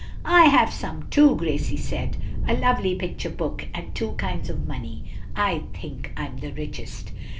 "I have some, too," Gracie said; "a lovely picture book and two kinds of money. I think I'm the richest."